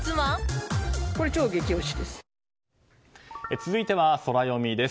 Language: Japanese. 続いてはソラよみです。